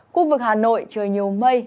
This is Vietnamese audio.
khu vực hà nội trời nhiều mây